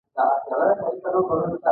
• مینه د رڼا احساس دی.